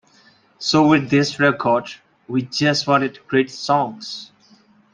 So with this record, we just wanted great songs.